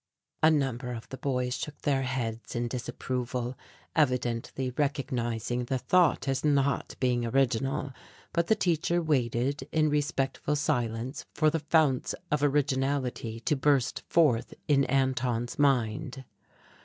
A number of the boys shook their heads in disapproval, evidently recognizing the thought as not being original, but the teacher waited in respectful silence for the founts of originality to burst forth in Anton's mind.